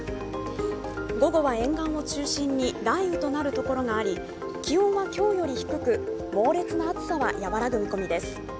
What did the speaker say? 午後は沿岸を中心に雷雨となるところがあり気温は今日より低く猛烈な暑さは和らぐ見込みです。